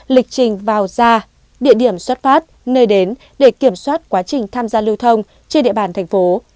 lịch trình vào ra địa điểm xuất phát nơi đến để kiểm soát quá trình tham gia lưu thông